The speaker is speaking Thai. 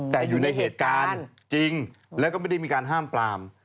แต่อยู่ในเหตุการณ์จริงแล้วก็ไม่ได้มีการห้ามปลาม